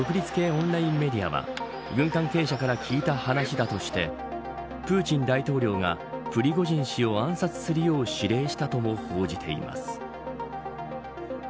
オンラインメディアは軍関係者から聞いた話だとしてプーチン大統領がプリゴジン氏を暗殺するよう指令したとも報じています。